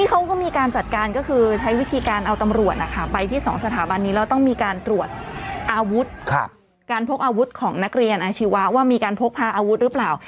ก็็ยังมองสิวะว่ามีการพกพาอาวุธรึเปล่า